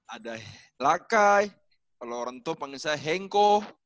ada lakai kalau orang tua panggil saya hengko